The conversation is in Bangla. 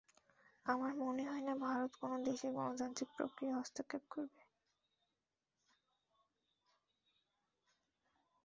আমার মনে হয় না ভারত কোনো দেশের গণতান্ত্রিক প্রক্রিয়ায় হস্তক্ষেপ করবে।